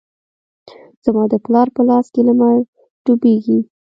زما د پلار په لاس کې لمر ډوبیږې